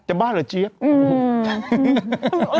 จะบ้าหรือเจี๊ยบโอ้โฮ